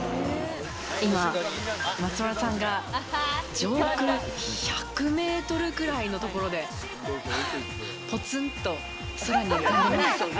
今、松丸さんが上空１００メートルくらいのところでポツンと空に浮かんでます。